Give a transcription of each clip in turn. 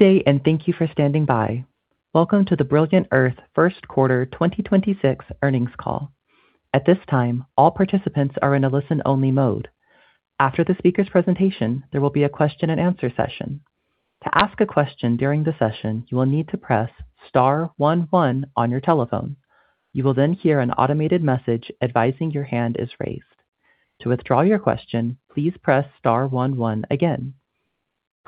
Good day, and thank you for standing by. Welcome to the Brilliant Earth first quarter 2026 earnings call. At this time all participant are in a listen only mode. After the speakers presentation there will be a question and answer session to ask a question you need to press star one one on your telephone you will then hear an automated advicing your hand is raised to withdraw you question please press one one again.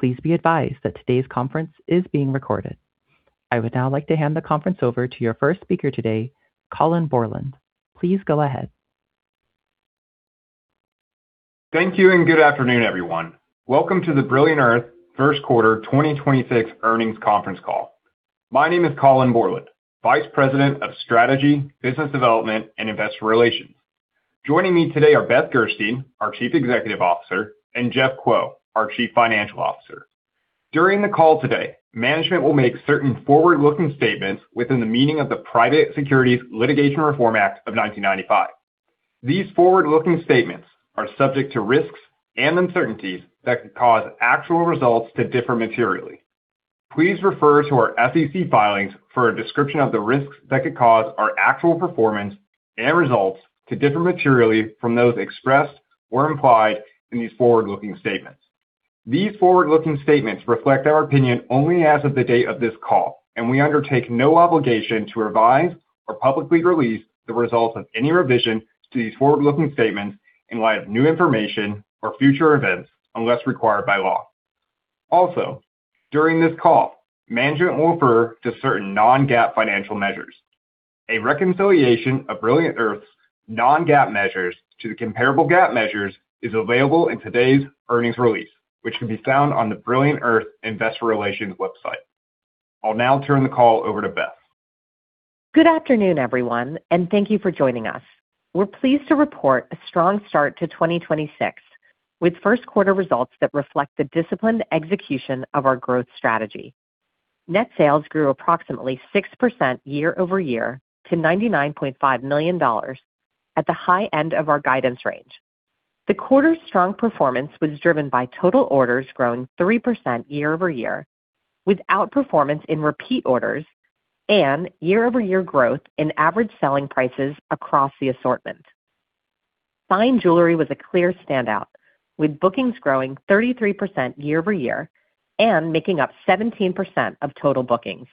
Please be advice that this conference is recorded. I would now like to hand the conference over to your first speaker today, Colin Bourland. Please go ahead. Thank you. Good afternoon, everyone. Welcome to the Brilliant Earth first quarter 2026 earnings conference call. My name is Colin Bourland, Vice President of Strategy, Business Development, and Investor Relations. Joining me today are Beth Gerstein, our Chief Executive Officer, and Jeffrey Kuo, our Chief Financial Officer. During the call today, management will make certain forward-looking statements within the meaning of the Private Securities Litigation Reform Act of 1995. These forward-looking statements are subject to risks and uncertainties that could cause actual results to differ materially. Please refer to our SEC filings for a description of the risks that could cause our actual performance and results to differ materially from those expressed or implied in these forward-looking statements. These forward-looking statements reflect our opinion only as of the date of this call, and we undertake no obligation to revise or publicly release the results of any revision to these forward-looking statements in light of new information or future events, unless required by law. Also, during this call, management will refer to certain non-GAAP financial measures. A reconciliation of Brilliant Earth's non-GAAP measures to the comparable GAAP measures is available in today's earnings release, which can be found on the Brilliant Earth Investor Relations website. I'll now turn the call over to Beth. Good afternoon, everyone, and thank you for joining us. We're pleased to report a strong start to 2026, with first quarter results that reflect the disciplined execution of our growth strategy. Net sales grew approximately 6% year-over-year to $99.5 million at the high end of our guidance range. The quarter's strong performance was driven by total orders growing 3% year-over-year, without performance in repeat orders and year-over-year growth in average selling prices across the assortment. Fine jewelry was a clear standout, with bookings growing 33% year-over-year and making up 17% of total bookings.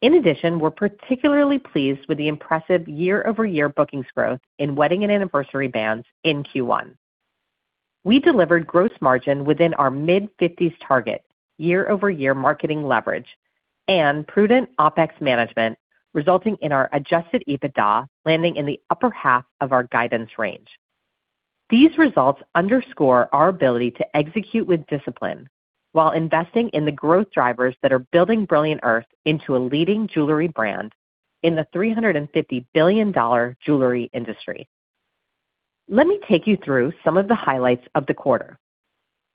In addition, we're particularly pleased with the impressive year-over-year bookings growth in wedding and anniversary bands in Q1. We delivered gross margin within our mid-50s target, year-over-year marketing leverage, and prudent OpEx management resulting in our adjusted EBITDA landing in the upper half of our guidance range. These results underscore our ability to execute with discipline while investing in the growth drivers that are building Brilliant Earth into a leading jewelry brand in the $350 billion jewelry industry. Let me take you through some of the highlights of the quarter.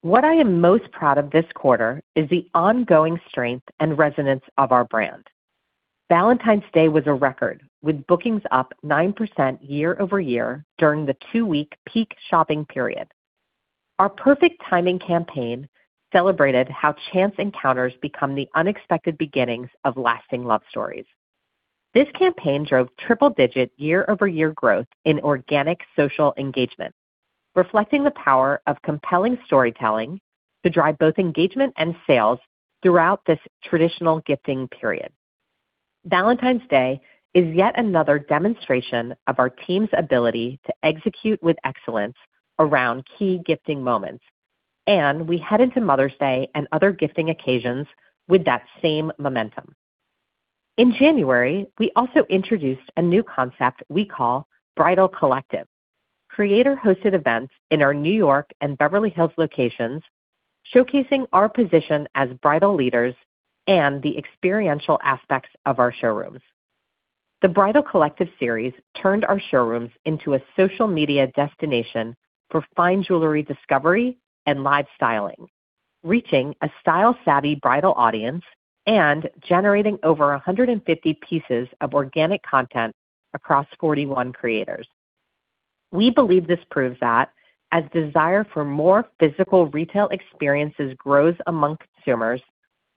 What I am most proud of this quarter is the ongoing strength and resonance of our brand. Valentine's Day was a record, with bookings up 9% year-over-year during the two-week peak shopping period. Our Perfect Timing campaign celebrated how chance encounters become the unexpected beginnings of lasting love stories. This campaign drove triple-digit year-over-year growth in organic social engagement, reflecting the power of compelling storytelling to drive both engagement and sales throughout this traditional gifting period. Valentine's Day is yet another demonstration of our team's ability to execute with excellence around key gifting moments, and we head into Mother's Day and other gifting occasions with that same momentum. In January, we also introduced a new concept we call Bridal Collective, creator-hosted events in our New York and Beverly Hills locations, showcasing our position as bridal leaders and the experiential aspects of our showrooms. The Bridal Collective series turned our showrooms into a social media destination for fine jewelry discovery and live styling, reaching a style-savvy bridal audience and generating over 150 pieces of organic content across 41 creators. We believe this proves that as desire for more physical retail experiences grows among consumers,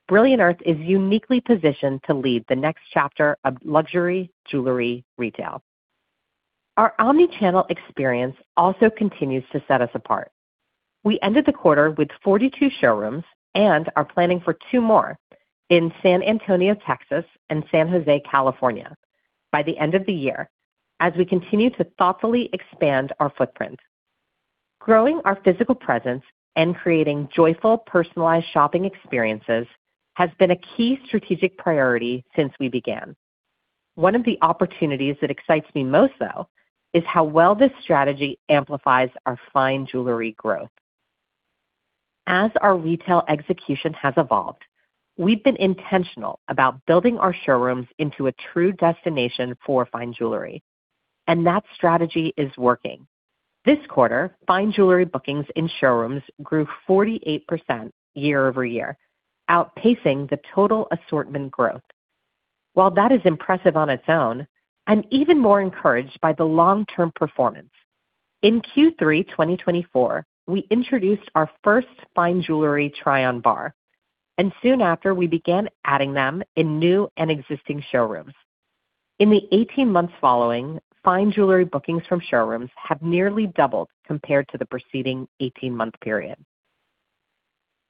Brilliant Earth is uniquely positioned to lead the next chapter of luxury jewelry retail. Our omni-channel experience also continues to set us apart. We ended the quarter with 42 showrooms and are planning for two more in San Antonio, Texas, and San Jose, California, by the end of the year as we continue to thoughtfully expand our footprint. Growing our physical presence and creating joyful, personalized shopping experiences has been a key strategic priority since we began. One of the opportunities that excites me most, though, is how well this strategy amplifies our fine jewelry growth. As our retail execution has evolved, we've been intentional about building our showrooms into a true destination for fine jewelry. That strategy is working. This quarter, fine jewelry bookings in showrooms grew 48% year-over-year, outpacing the total assortment growth. While that is impressive on its own, I'm even more encouraged by the long-term performance. In Q3 2024, we introduced our first fine jewelry try-on bar, and soon after, we began adding them in new and existing showrooms. In the 18 months following, fine jewelry bookings from showrooms have nearly doubled compared to the preceding 18-month period.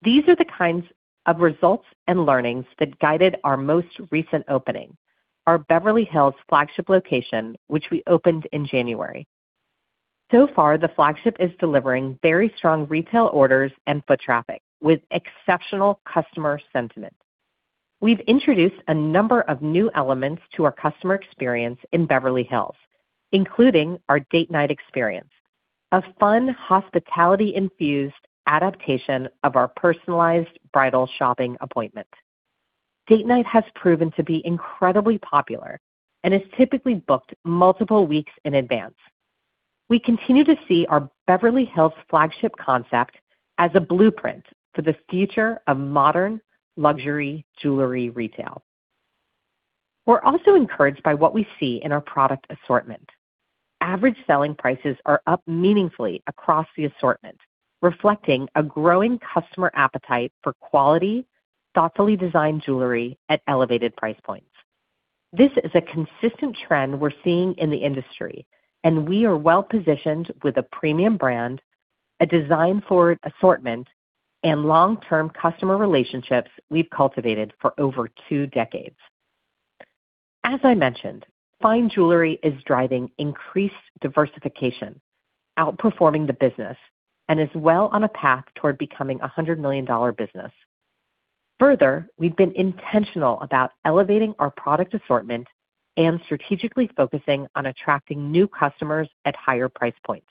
These are the kinds of results and learnings that guided our most recent opening, our Beverly Hills flagship location, which we opened in January. So far, the flagship is delivering very strong retail orders and foot traffic with exceptional customer sentiment. We've introduced a number of new elements to our customer experience in Beverly Hills, including our Date Night experience, a fun hospitality-infused adaptation of our personalized bridal shopping appointment. Date Night has proven to be incredibly popular and is typically booked multiple weeks in advance. We continue to see our Beverly Hills flagship concept as a blueprint for the future of modern luxury jewelry retail. We're also encouraged by what we see in our product assortment. Average selling prices are up meaningfully across the assortment, reflecting a growing customer appetite for quality, thoughtfully designed jewelry at elevated price points. This is a consistent trend we're seeing in the industry, and we are well-positioned with a premium brand, a design-forward assortment, and long-term customer relationships we've cultivated for over two decades. As I mentioned, fine jewelry is driving increased diversification, outperforming the business, and is well on a path toward becoming a $100 million business. Further, we've been intentional about elevating our product assortment and strategically focusing on attracting new customers at higher price points.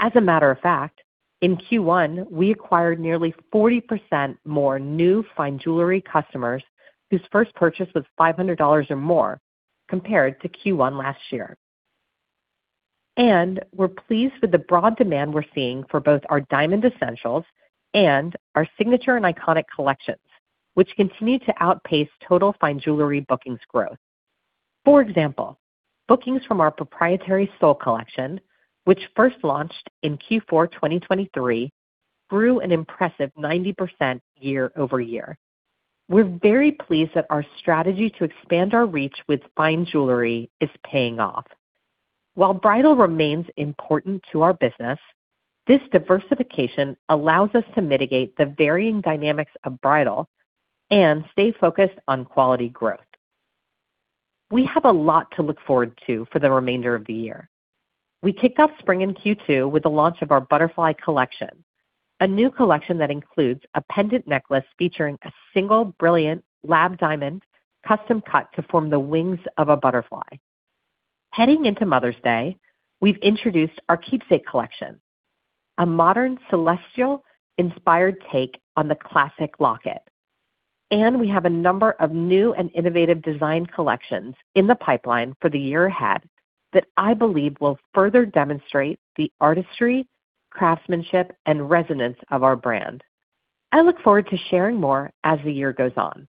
As a matter of fact, in Q1, we acquired nearly 40% more new fine jewelry customers whose first purchase was $500 or more compared to Q1 last year. We're pleased with the broad demand we're seeing for both our Diamond Essentials and our signature and iconic collections, which continue to outpace total fine jewelry bookings growth. For example, bookings from our proprietary Sol Collection, which first launched in Q4 2023, grew an impressive 90% year-over-year. We're very pleased that our strategy to expand our reach with fine jewelry is paying off. While bridal remains important to our business, this diversification allows us to mitigate the varying dynamics of bridal and stay focused on quality growth. We have a lot to look forward to for the remainder of the year. We kicked off spring in Q2 with the launch of our Butterfly Collection, a new collection that includes a pendant necklace featuring a single brilliant lab diamond custom cut to form the wings of a butterfly. Heading into Mother's Day, we've introduced our Keepsake Collection, a modern celestial-inspired take on the classic locket. We have a number of new and innovative design collections in the pipeline for the year ahead that I believe will further demonstrate the artistry, craftsmanship, and resonance of our brand. I look forward to sharing more as the year goes on.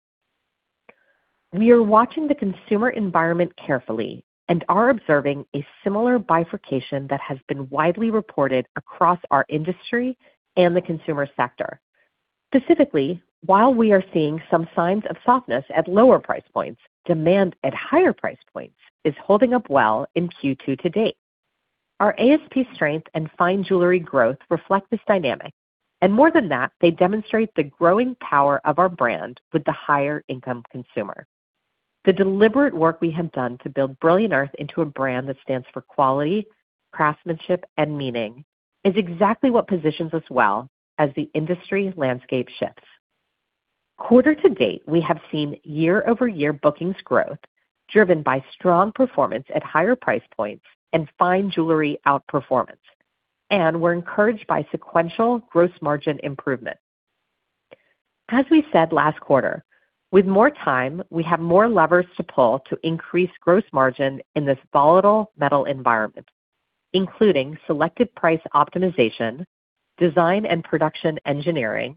We are watching the consumer environment carefully and are observing a similar bifurcation that has been widely reported across our industry and the consumer sector. Specifically, while we are seeing some signs of softness at lower price points, demand at higher price points is holding up well in Q2 to date. Our ASP strength and fine jewelry growth reflect this dynamic, more than that, they demonstrate the growing power of our brand with the higher income consumer. The deliberate work we have done to build Brilliant Earth into a brand that stands for quality, craftsmanship, and meaning is exactly what positions us well as the industry landscape shifts. Quarter to date, we have seen year-over-year bookings growth driven by strong performance at higher price points and fine jewelry outperformance. We're encouraged by sequential gross margin improvement. As we said last quarter, with more time, we have more levers to pull to increase gross margin in this volatile metal environment, including selective price optimization, design and production engineering,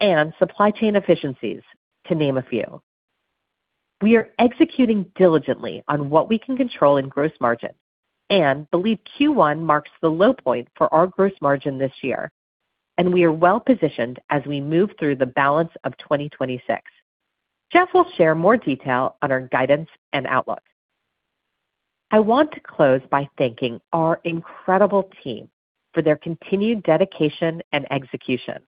and supply chain efficiencies, to name a few. We are executing diligently on what we can control in gross margin and believe Q1 marks the low point for our gross margin this year, and we are well-positioned as we move through the balance of 2026. Jeffrey will share more detail on our guidance and outlook. I want to close by thanking our incredible team for their continued dedication and execution.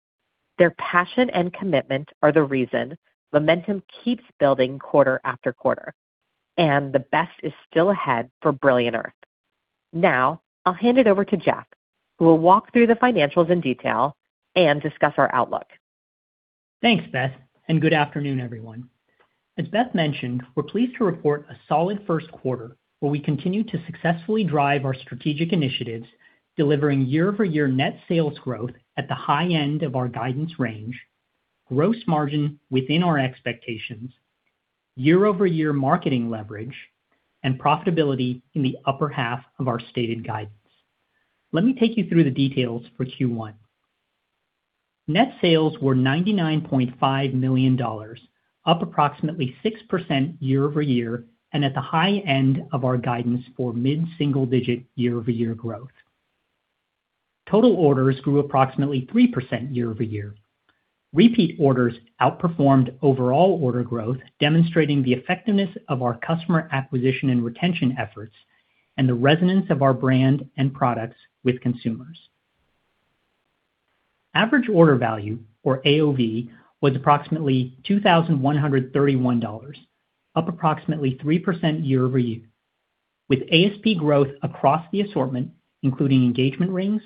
Their passion and commitment are the reason momentum keeps building quarter after quarter, and the best is still ahead for Brilliant Earth. Now, I'll hand it over to Jeffrey Kuo, who will walk through the financials in detail and discuss our outlook. Thanks, Beth. Good afternoon, everyone. As Beth mentioned, we're pleased to report a solid first quarter where we continue to successfully drive our strategic initiatives, delivering year-over-year net sales growth at the high end of our guidance range, gross margin within our expectations, year-over-year marketing leverage, and profitability in the upper half of our stated guidance. Let me take you through the details for Q1. Net sales were $99.5 million, up approximately 6% year-over-year and at the high end of our guidance for mid-single digit year-over-year growth. Total orders grew approximately 3% year-over-year. Repeat orders outperformed overall order growth, demonstrating the effectiveness of our customer acquisition and retention efforts and the resonance of our brand and products with consumers. Average order value, or AOV, was approximately $2,131, up approximately 3% year-over-year, with ASP growth across the assortment, including engagement rings,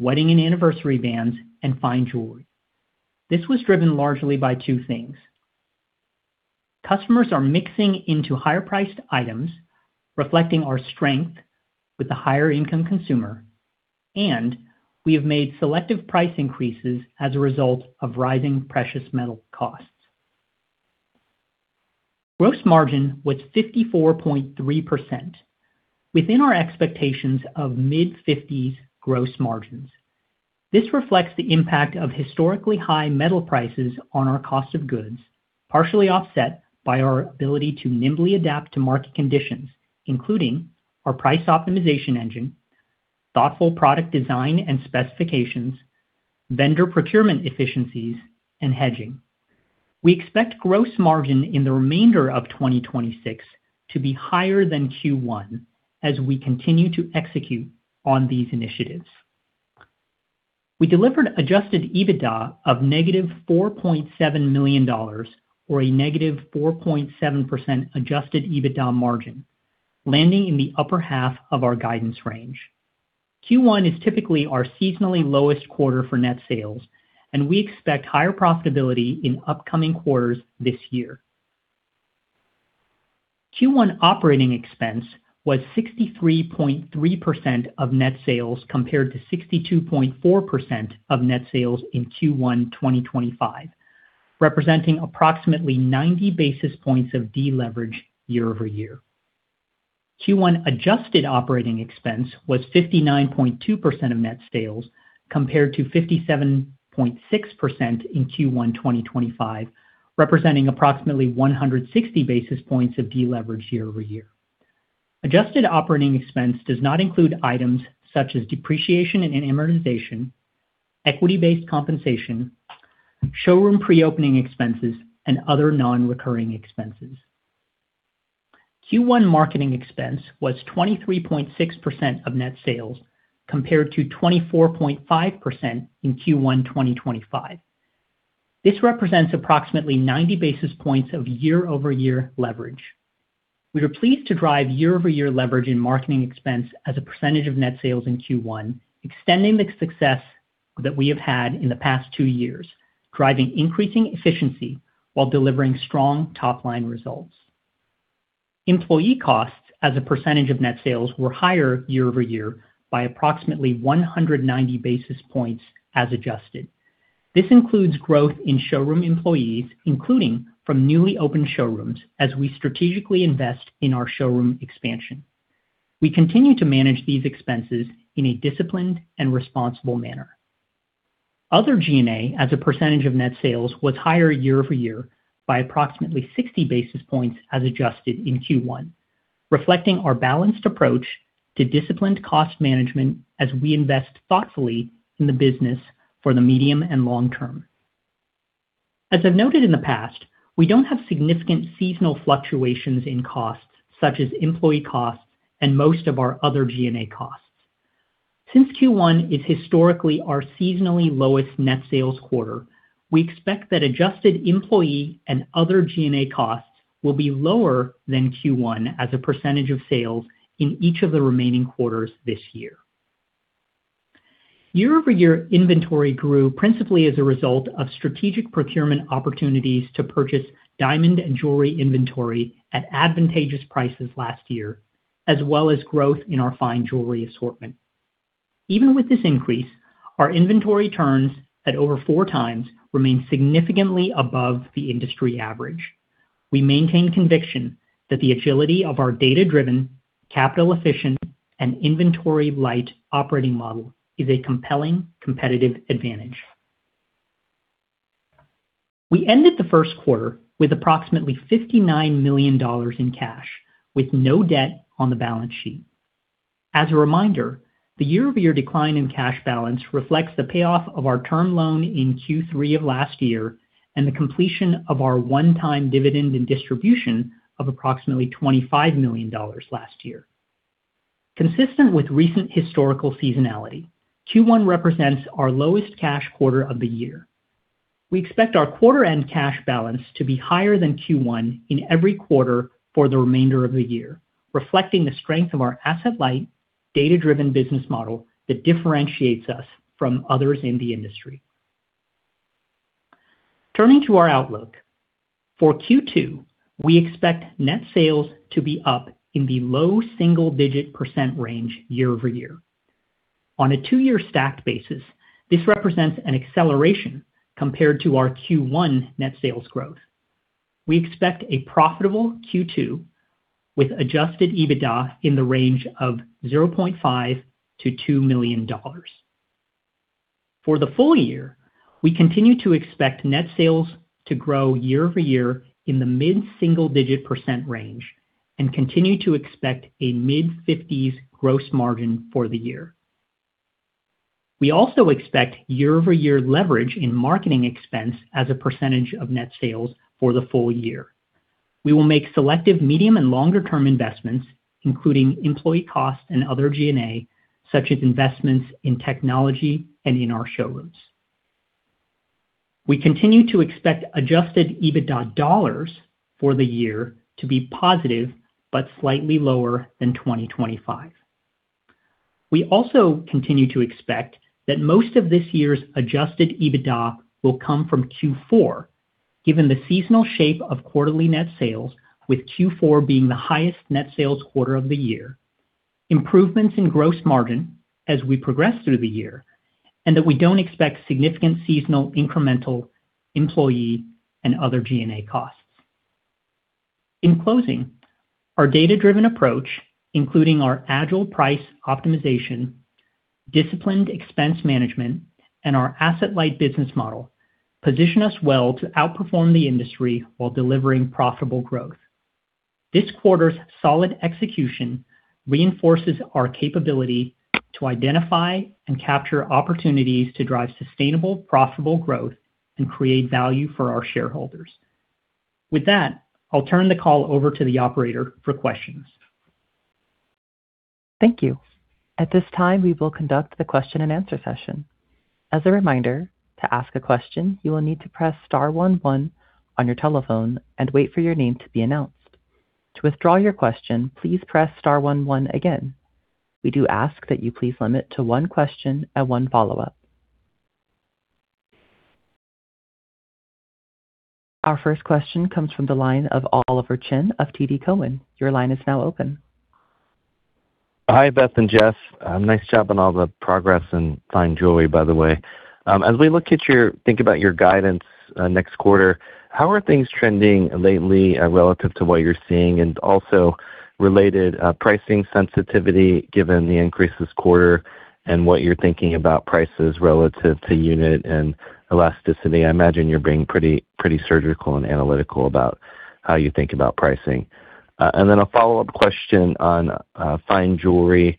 wedding and anniversary bands, and fine jewelry. This was driven largely by two things. Customers are mixing into higher-priced items, reflecting our strength with the higher income consumer, and we have made selective price increases as a result of rising precious metal costs. Gross margin was 54.3% within our expectations of mid-50s gross margins. This reflects the impact of historically high metal prices on our cost of goods, partially offset by our ability to nimbly adapt to market conditions, including our price optimization engine, thoughtful product design and specifications, vendor procurement efficiencies, and hedging. We expect gross margin in the remainder of 2026 to be higher than Q1 as we continue to execute on these initiatives. We delivered adjusted EBITDA of negative $4.7 million, or a negative 4.7% adjusted EBITDA margin, landing in the upper half of our guidance range. Q1 is typically our seasonally lowest quarter for net sales, and we expect higher profitability in upcoming quarters this year. Q1 operating expense was 63.3% of net sales compared to 62.4% of net sales in Q1 2025, representing approximately 90 basis points of deleverage year-over-year. Q1 adjusted operating expense was 59.2% of net sales compared to 57.6% in Q1 2025, representing approximately 160 basis points of deleverage year-over-year. Adjusted operating expense does not include items such as depreciation and amortization, equity-based compensation, showroom pre-opening expenses, and other non-recurring expenses. Q1 marketing expense was 23.6% of net sales compared to 24.5% in Q1 2025. This represents approximately 90 basis points of year-over-year leverage. We were pleased to drive year-over-year leverage in marketing expense as a percentage of net sales in Q1, extending the success that we have had in the past two years, driving increasing efficiency while delivering strong top-line results. Employee costs as a percentage of net sales were higher year-over-year by approximately 190 basis points as adjusted. This includes growth in showroom employees, including from newly opened showrooms as we strategically invest in our showroom expansion. We continue to manage these expenses in a disciplined and responsible manner. Other G&A as a percentage of net sales was higher year-over-year by approximately 60 basis points as adjusted in Q1, reflecting our balanced approach to disciplined cost management as we invest thoughtfully in the business for the medium and long term. As I've noted in the past, we don't have significant seasonal fluctuations in costs, such as employee costs and most of our other G&A costs. Since Q1 is historically our seasonally lowest net sales quarter, we expect that adjusted employee and other G&A costs will be lower than Q1 as a percentage of sales in each of the remaining quarters this year. Year-over-year inventory grew principally as a result of strategic procurement opportunities to purchase diamond and jewelry inventory at advantageous prices last year, as well as growth in our fine jewelry assortment. Even with this increase, our inventory turns at over four times remain significantly above the industry average. We maintain conviction that the agility of our data-driven, capital-efficient, and inventory-light operating model is a compelling competitive advantage. We ended the first quarter with approximately $59 million in cash, with no debt on the balance sheet. As a reminder, the year-over-year decline in cash balance reflects the payoff of our term loan in Q3 of last year and the completion of our one-time dividend and distribution of approximately $25 million last year. Consistent with recent historical seasonality, Q1 represents our lowest cash quarter of the year. We expect our quarter end cash balance to be higher than Q1 in every quarter for the remainder of the year, reflecting the strength of our asset-light, data-driven business model that differentiates us from others in the industry. Turning to our outlook, for Q2, we expect net sales to be up in the low single-digit percent range year-over-year. On a two-year stacked basis, this represents an acceleration compared to our Q1 net sales growth. We expect a profitable Q2 with adjusted EBITDA in the range of $0.5 million-$2 million. For the full year, we continue to expect net sales to grow year-over-year in the mid-single digit percent range and continue to expect a mid-50s gross margin for the year. We also expect year-over-year leverage in marketing expense as a percentage of net sales for the full year. We will make selective medium and longer term investments, including employee costs and other G&A, such as investments in technology and in our showrooms. We continue to expect adjusted EBITDA dollars for the year to be positive but slightly lower than 2025. We also continue to expect that most of this year's adjusted EBITDA will come from Q4, given the seasonal shape of quarterly net sales, with Q4 being the highest net sales quarter of the year, improvements in gross margin as we progress through the year, and that we don't expect significant seasonal incremental employee and other G&A costs. In closing, our data-driven approach, including our agile price optimization, disciplined expense management, and our asset-light business model, position us well to outperform the industry while delivering profitable growth. This quarter's solid execution reinforces our capability to identify and capture opportunities to drive sustainable, profitable growth and create value for our shareholders. With that, I'll turn the call over to the operator for questions. Thank you. At this time, we will conduct the question-and-answer session. As a reminder, to ask a question, you will need to press star one one on your telephone and wait for your name to be announced. To withdraw your question, please press star one one again. We do ask that you please limit to one question and one follow-up. Our first question comes from the line of Oliver Chen of TD Cowen. Your line is now open. Hi, Beth and Jeffrey. Nice job on all the progress in fine jewelry, by the way. As we look at your think about your guidance next quarter, how are things trending lately relative to what you're seeing? Also related, pricing sensitivity given the increase this quarter and what you're thinking about prices relative to unit and elasticity. I imagine you're being pretty surgical and analytical about how you think about pricing. Then a follow-up question on fine jewelry.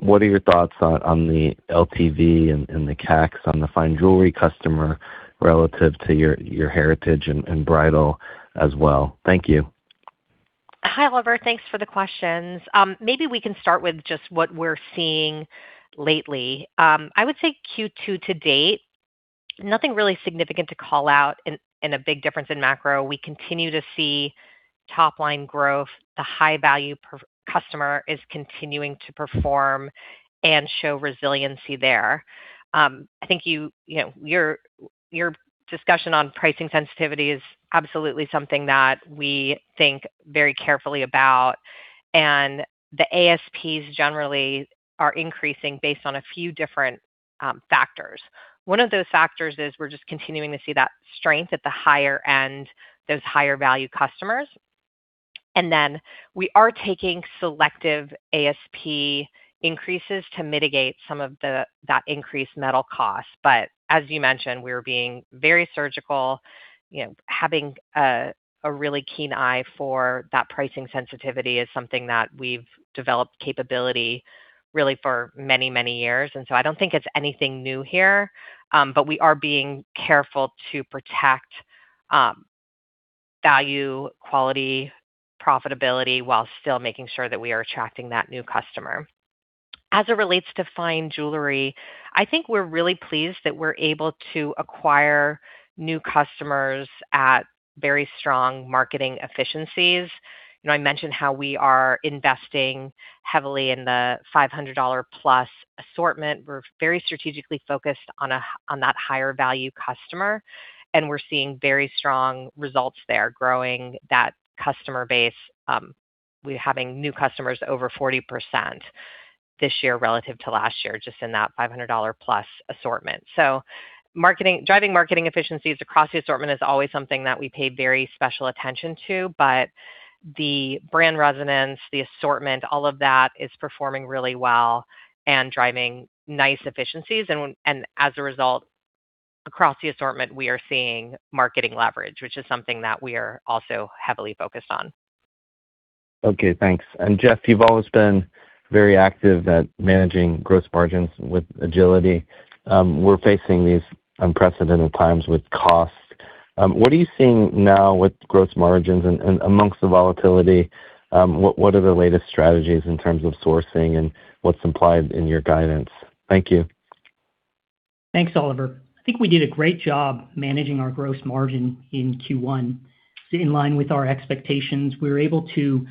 What are your thoughts on the LTV and the CAC on the fine jewelry customer relative to your heritage and bridal as well? Thank you. Hi, Oliver. Thanks for the questions. Maybe we can start with just what we're seeing lately. I would say Q2 to date, nothing really significant to call out in a big difference in macro. We continue to see top line growth. The high-value per customer is continuing to perform and show resiliency there. I think you know, your discussion on Pricing sensitivity is absolutely something that we think very carefully about. The ASPs generally are increasing based on a few different factors. One of those factors is we're just continuing to see that strength at the higher end, those higher value customers. We are taking selective ASP increases to mitigate that increased metal cost. As you mentioned, we're being very surgical. You know, having a really keen eye for that pricing sensitivity is something that we've developed capability really for many, many years. I don't think it's anything new here, but we are being careful to protect value, quality, profitability while still making sure that we are attracting that new customer. As it relates to fine jewelry, I think we're really pleased that we're able to acquire new customers at very strong marketing efficiencies. You know, I mentioned how we are investing heavily in the $500 plus assortment. We're very strategically focused on that higher value customer, and we're seeing very strong results there, growing that customer base. We're having new customers over 40% this year relative to last year just in that $500 plus assortment. Marketing, driving marketing efficiencies across the assortment is always something that we pay very special attention to, but the brand resonance, the assortment, all of that is performing really well and driving nice efficiencies. As a result, across the assortment, we are seeing marketing leverage, which is something that we are also heavily focused on. Okay, thanks. Jeffrey Kuo, you've always been very active at managing gross margins with agility. We're facing these unprecedented times with cost. What are you seeing now with gross margins and amongst the volatility, what are the latest strategies in terms of sourcing and what's implied in your guidance? Thank you. Thanks, Oliver. I think we did a great job managing our gross margin in Q1. In line with our expectations, we were able to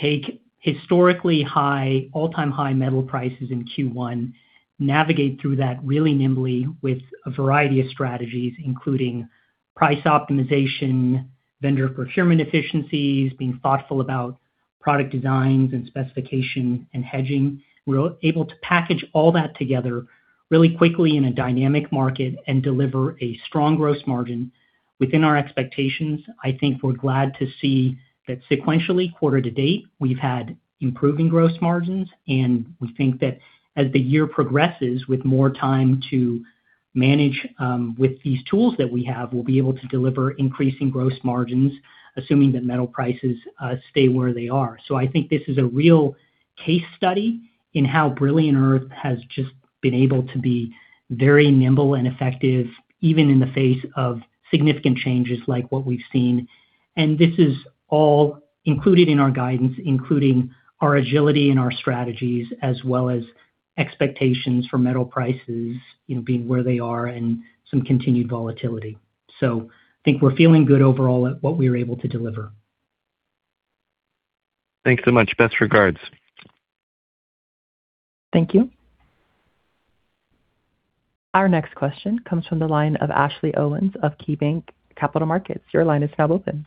take historically high, all-time high metal prices in Q1, navigate through that really nimbly with a variety of strategies, including price optimization, vendor procurement efficiencies, being thoughtful about product designs and specification and hedging. We're able to package all that together really quickly in a dynamic market and deliver a strong gross margin within our expectations. I think we're glad to see that sequentially quarter to date, we've had improving gross margins, and we think that as the year progresses with more time to manage with these tools that we have, we'll be able to deliver increasing gross margins, assuming that metal prices stay where they are. I think this is a real case study in how Brilliant Earth has just been able to be very nimble and effective, even in the face of significant changes like what we've seen. This is all included in our guidance, including our agility and our strategies, as well as expectations for metal prices, you know, being where they are and some continued volatility. I think we're feeling good overall at what we were able to deliver. Thanks so much. Best regards. Thank you. Our next question comes from the line of Ashley Owens of KeyBanc Capital Markets. Your line is now open.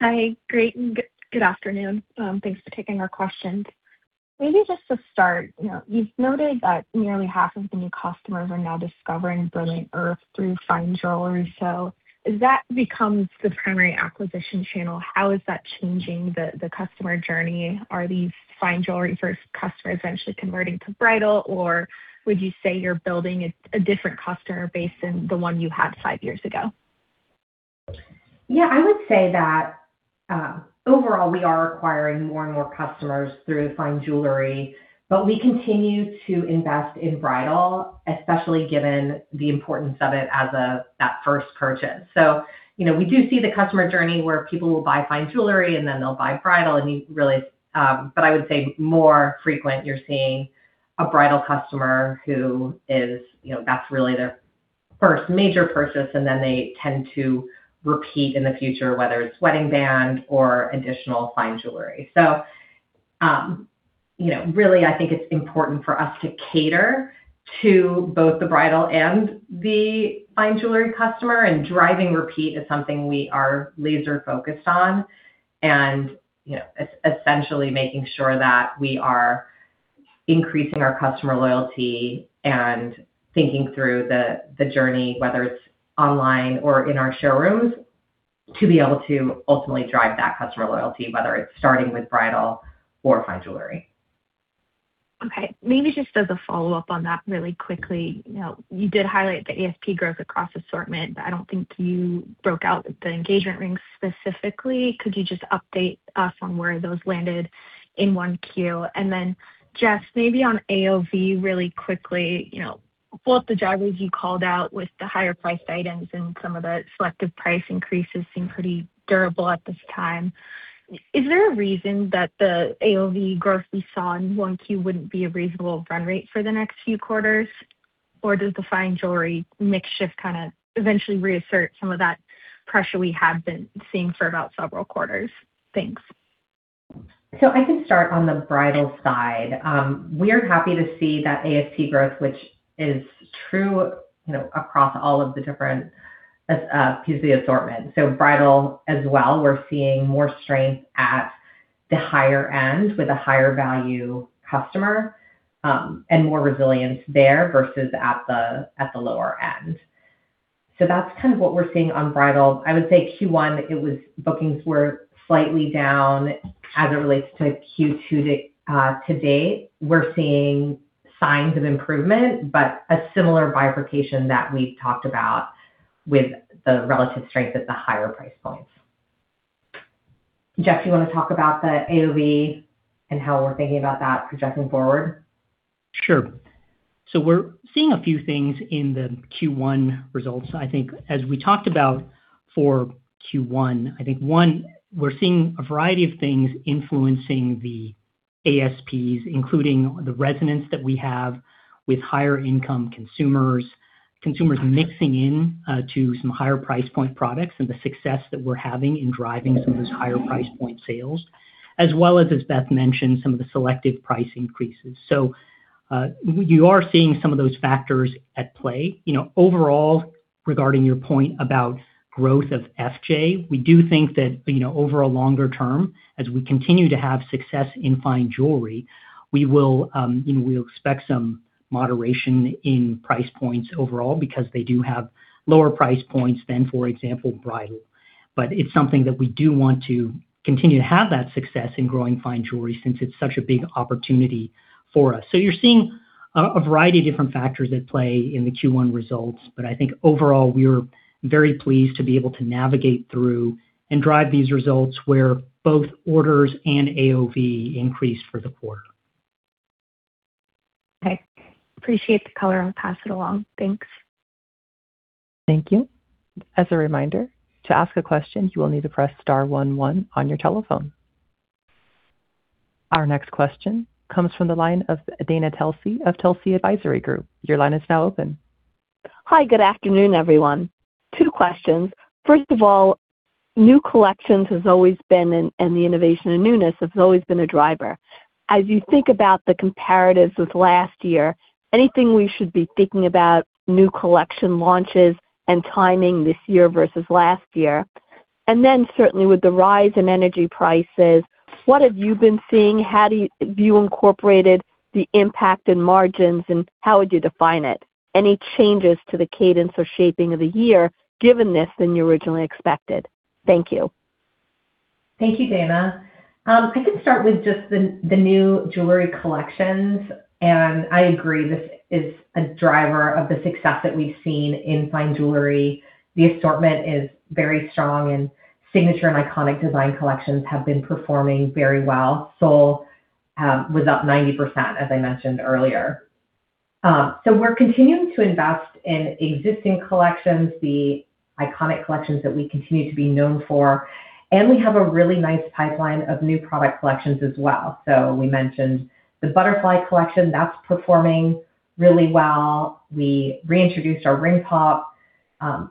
Hi. Great and good afternoon. Thanks for taking our questions. Maybe just to start, you know, you've noted that nearly half of the new customers are now discovering Brilliant Earth through fine jewelry. As that becomes the primary acquisition channel, how is that changing the customer journey? Are these fine jewelry first customers eventually converting to bridal, or would you say you're building a different customer base than the one you had five years ago? I would say that overall, we are acquiring more and more customers through fine jewelry, but we continue to invest in bridal, especially given the importance of it as that first purchase. You know, we do see the customer journey where people will buy fine jewelry, and then they'll buy bridal. I would say more frequent, you're seeing a bridal customer who is, you know, that's really their first major purchase, and then they tend to repeat in the future, whether it's wedding band or additional fine jewelry. You know, really, I think it's important for us to cater to both the bridal and the fine jewelry customer. Driving repeat is something we are laser focused on, essentially making sure that we are increasing our customer loyalty and thinking through the journey, whether it's online or in our showrooms, to be able to ultimately drive that customer loyalty, whether it's starting with bridal or fine jewelry. Okay. Maybe just as a follow-up on that really quickly. You know, you did highlight the ASP growth across assortment, but I don't think you broke out the engagement rings specifically. Could you just update us on where those landed in 1Q? Jeff, maybe on AOV really quickly. You know, both the drivers you called out with the higher priced items and some of the selective price increases seem pretty durable at this time. Is there a reason that the AOV growth we saw in 1Q wouldn't be a reasonable run rate for the next few quarters? Does the fine jewelry mix shift kinda eventually reassert some of that pressure we have been seeing for about several quarters? Thanks. I can start on the bridal side. We're happy to see that ASP growth, which is true, you know, across all of the different pieces of the assortment. Bridal as well, we're seeing more strength at the higher end with a higher value customer, and more resilience there versus at the lower end. That's kind of what we're seeing on bridal. I would say Q1, it was bookings were slightly down as it relates to Q2 to date. We're seeing signs of improvement, a similar bifurcation that we've talked about with the relative strength at the higher price points. Jeffrey, do you wanna talk about the AOV and how we're thinking about that projecting forward? Sure. We're seeing a few things in the Q1 results. As we talked about for Q1, onewe're seeing a variety of things influencing the ASPs, including the resonance that we have with higher income consumers mixing in to some higher price point products and the success that we're having in driving some of those higher price point sales, as well as Beth mentioned, some of the selective price increases. You are seeing some of those factors at play. You know, overall, regarding your point about growth of FJ, we do think that, you know, over a longer term, as we continue to have success in fine jewelry, we will, you know, we expect some moderation in price points overall because they do have lower price points than, for example, bridal. It's something that we do want to continue to have that success in growing fine jewelry since it's such a big opportunity for us. You're seeing a variety of different factors at play in the Q1 results. I think overall, we're very pleased to be able to navigate through and drive these results where both orders and AOV increased for the quarter. Okay. Appreciate the color. I'll pass it along. Thanks. Thank you. As a reminder, to ask a question, you will need to press star one one on your telephone. Our next question comes from the line of Dana Telsey of Telsey Advisory Group. Your line is now open. Hi. Good afternoon, everyone. Two questions. First of all, new collections has always been, and the innovation and newness has always been a driver. As you think about the comparatives with last year, anything we should be thinking about new collection launches and timing this year versus last year? Certainly with the rise in energy prices, what have you been seeing? How have you incorporated the impact in margins, and how would you define it? Any changes to the cadence or shaping of the year given this than you originally expected? Thank you. Thank you, Dana. I can start with just the new jewelry collections. I agree, this is a driver of the success that we've seen in fine jewelry. The assortment is very strong, and signature and iconic design collections have been performing very well. Sol was up 90%, as I mentioned earlier. We're continuing to invest in existing collections, the iconic collections that we continue to be known for, and we have a really nice pipeline of new product collections as well. We mentioned the Butterfly Collection. That's performing really well. We reintroduced our Ring Pop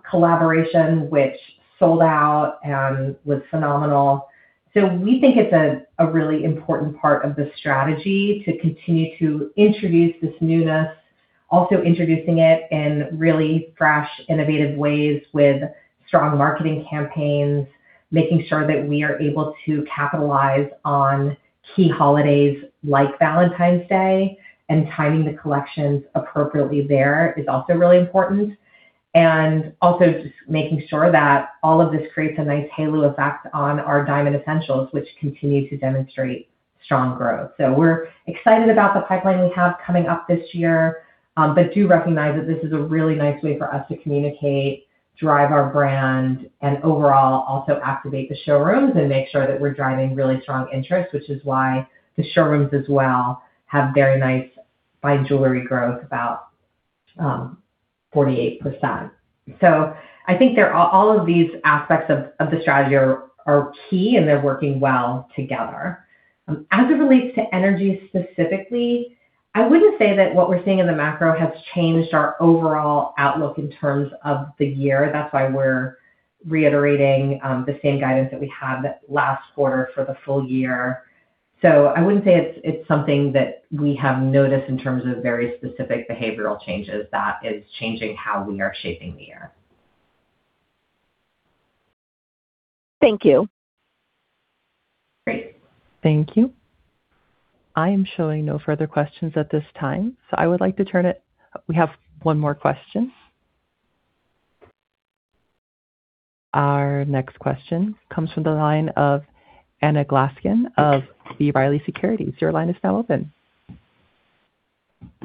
collaboration, which sold out and was phenomenal. We think it's a really important part of the strategy to continue to introduce this newness. Also introducing it in really fresh, innovative ways with strong marketing campaigns. Making sure that we are able to capitalize on key holidays like Valentine's Day and timing the collections appropriately there is also really important. Also just making sure that all of this creates a nice halo effect on our Diamond Essentials, which continue to demonstrate strong growth. We're excited about the pipeline we have coming up this year, but do recognize that this is a really nice way for us to communicate, drive our brand, and overall also activate the showrooms and make sure that we're driving really strong interest, which is why the showrooms as well have very nice fine jewelry growth, about 48%. I think they're all of these aspects of the strategy are key, and they're working well together. As it relates to energy specifically, I wouldn't say that what we're seeing in the macro has changed our overall outlook in terms of the year. That's why we're reiterating the same guidance that we had last quarter for the full year. I wouldn't say it's something that we have noticed in terms of very specific behavioral changes that is changing how we are shaping the year. Thank you. Great. Thank you. I am showing no further questions at this time. We have one more question. Our next question comes from the line of Anna Glaessgen of B. Riley Securities. Your line is now open.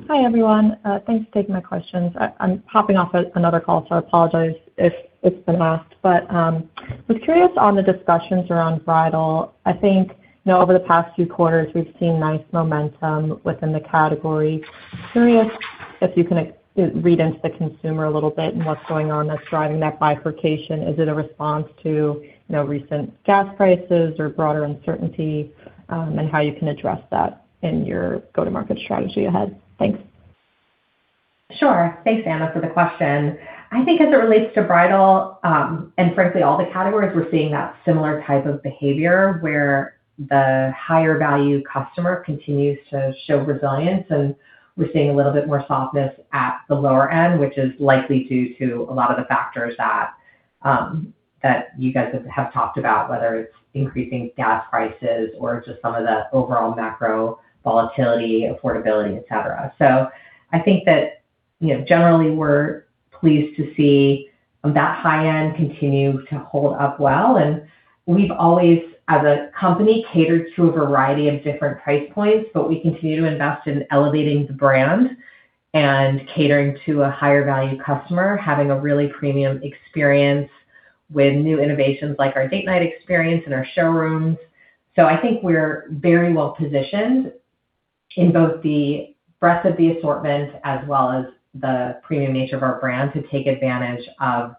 Hi, everyone. Thanks for taking my questions. I'm hopping off another call, I apologize if it's been asked. Was curious on the discussions around bridal. I think, you know, over the past few quarters, we've seen nice momentum within the category. Curious if you can read into the consumer a little bit and what's going on that's driving that bifurcation. Is it a response to, you know, recent gas prices or broader uncertainty, and how you can address that in your go-to-market strategy ahead? Thanks. Sure. Thanks, Anna, for the question. I think as it relates to bridal, and frankly, all the categories, we're seeing that similar type of behavior where the higher value customer continues to show resilience, and we're seeing a little bit more softness at the lower end, which is likely due to a lot of the factors that you guys have talked about, whether it's increasing gas prices or just some of the overall macro volatility, affordability, et cetera. I think that, you know, generally, we're pleased to see that high end continue to hold up well. We've always, as a company, catered to a variety of different price points, but we continue to invest in elevating the brand and catering to a higher value customer, having a really premium experience with new innovations like our Date Night experience in our showrooms. I think we're very well positioned in both the breadth of the assortment as well as the premium nature of our brand to take advantage of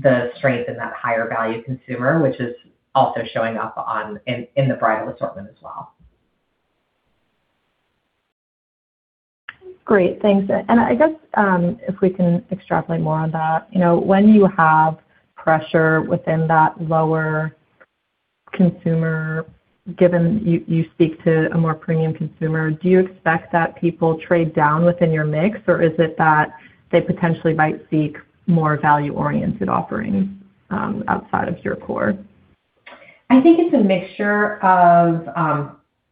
the strength in that higher value consumer, which is also showing up in the bridal assortment as well. Great. Thanks. I guess, if we can extrapolate more on that. You know, when you have pressure within that lower consumer, given you speak to a more premium consumer, do you expect that people trade down within your mix? Or is it that they potentially might seek more value-oriented offerings outside of your core? I think it's a mixture of,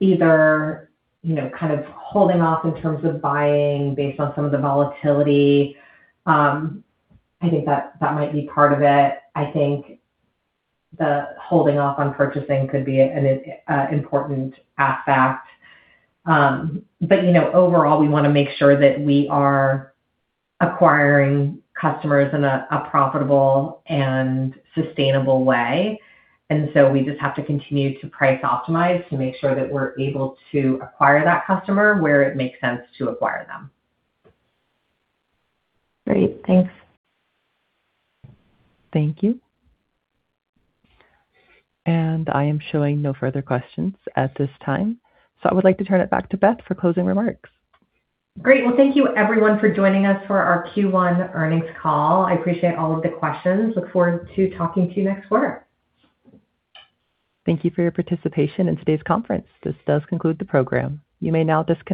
you know, kind of holding off in terms of buying based on some of the volatility. I think that might be part of it. I think the holding off on purchasing could be an important aspect. You know, overall, we wanna make sure that we are acquiring customers in a profitable and sustainable way. We just have to continue to price optimize to make sure that we're able to acquire that customer where it makes sense to acquire them. Great. Thanks. Thank you. I am showing no further questions at this time. I would like to turn it back to Beth for closing remarks. Great. Thank you everyone for joining us for our Q1 earnings call. I appreciate all of the questions. Look forward to talking to you next quarter. Thank you for your participation in today's conference. This does conclude the program. You may now disconnect.